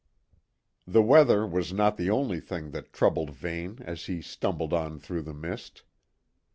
The weather was not the only thing that troubled Vane as he stumbled on through the mist.